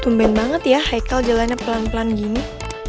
tumban banget ya haikal jalannya pelan pelan gini